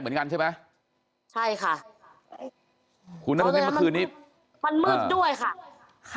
เหมือนกันใช่ไหมใช่ค่ะคุณนัทนี่เมื่อคืนนี้มันมืดด้วยค่ะค่ะ